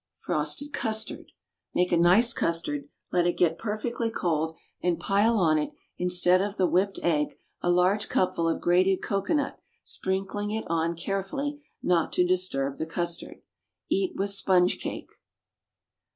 Frosted Custard. Make a nice custard; let it get perfectly cold, and pile on it, instead of the whipped egg, a large cupful of grated cocoanut, sprinkling it on carefully, not to disturb the custard. Eat with sponge cake.